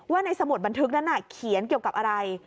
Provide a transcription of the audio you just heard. ในสมุดบันทึกนั้นเขียนเกี่ยวกับอะไร